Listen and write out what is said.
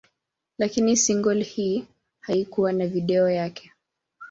Lakini single hii haikuwa na video yake.